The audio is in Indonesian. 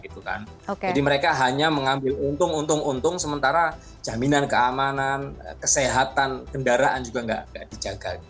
jadi mereka hanya mengambil untung untung sementara jaminan keamanan kesehatan kendaraan juga nggak dijaga